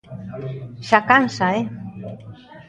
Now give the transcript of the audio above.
Xa cansa, eh!